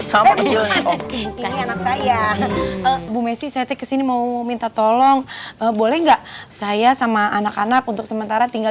saya bu messi setek kesini mau minta tolong boleh enggak saya sama anak anak untuk sementara tinggal